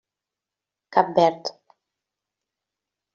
Cap Verd.